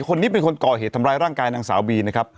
คนนี้เป็นคนก่อเหตุทำร้ายร่างกายนางสาวบีนะครับ